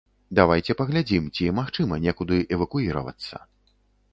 Давайце паглядзім, ці магчыма некуды эвакуіравацца.